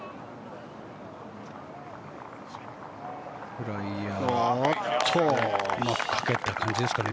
フライヤーをうまくかけた感じですかね。